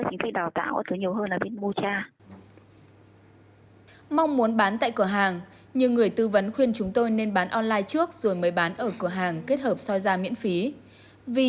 chứ còn nếu mà bán ở cửa hàng không thì chỉ có những khách hàng xung quanh đấy là